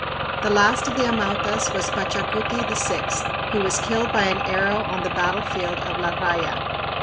The last of the Amautas was Pachacuti VI, who was killed by an arrow on the battle field of La Raya.